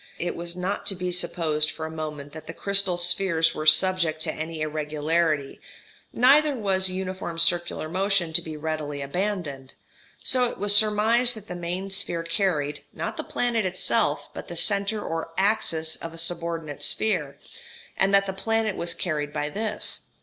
It was not to be supposed for a moment that the crystal spheres were subject to any irregularity, neither was uniform circular motion to be readily abandoned; so it was surmised that the main sphere carried, not the planet itself, but the centre or axis of a subordinate sphere, and that the planet was carried by this.